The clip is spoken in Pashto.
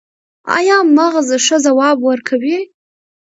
ایا مغز ښه ځواب ورکوي؟